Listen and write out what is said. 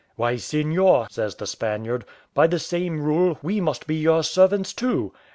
"Why, seignior," says the Spaniard, "by the same rule, we must be your servants, too."